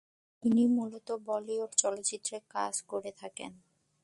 তিনি মূলত বলিউড চলচ্চিত্রে কাজ করে থাকেন।